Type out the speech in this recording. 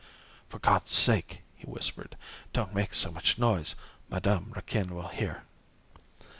"For God's sake," he whispered, "don't make so much noise. Madame Raquin will hear."